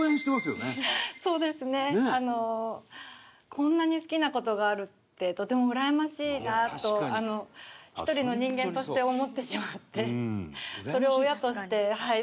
こんなに好きな事があるってとてもうらやましいなと１人の人間として思ってしまって。